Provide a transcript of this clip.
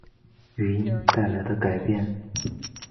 语音带来的改变